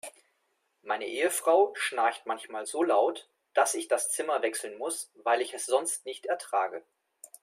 Meine Ehefrau schnarcht manchmal so laut, dass ich das Zimmer wechseln muss, weil ich es sonst nicht ertrage.